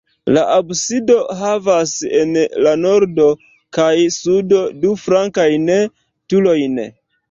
La absido havas en la nordo kaj sudo du flankajn turojn.